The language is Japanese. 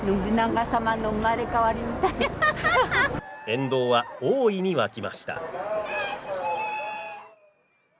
沿道は大いに沸きました。